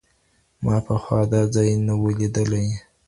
ما پخوا دا ځای نه و لیدلی.